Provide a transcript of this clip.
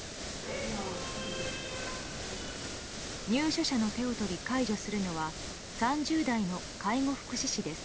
入所者の手を取り介助するのは３０代の介護福祉士です。